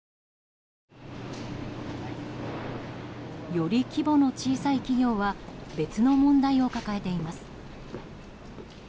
より規模の小さい企業は別の問題を抱えています。